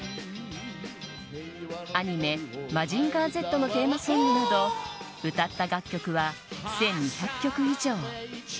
アニメ「マジンガーＺ」のテーマソングなど歌った楽曲は１２００曲以上。